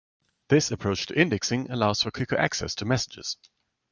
This approach to indexing allows for quicker access to messages.